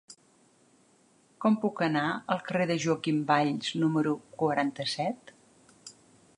Com puc anar al carrer de Joaquim Valls número quaranta-set?